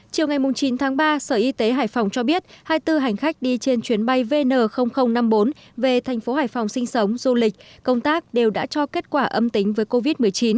chiều ngày chín tháng ba sở y tế hải phòng cho biết hai mươi bốn hành khách đi trên chuyến bay vn năm mươi bốn về thành phố hải phòng sinh sống du lịch công tác đều đã cho kết quả âm tính với covid một mươi chín